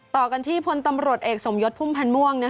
ต่อกันที่พลตำรวจเอกสมยศพุ่มพันธ์ม่วง